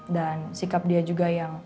dan sikap dia juga yang